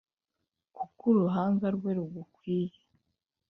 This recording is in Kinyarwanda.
Kuko uruhanga rwe rugukwiye,